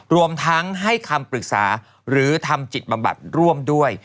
รวมทั้งให้คำปรึกษาหรือทำจิตบำบัดร่วมด้วย